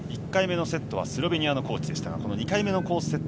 １回目のセットはスロベニアのコーチでしたが２回めのコース